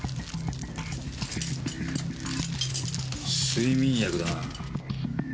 睡眠薬だな。